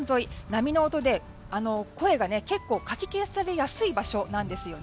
波の音で、声が結構かき消されやすい場所なんです。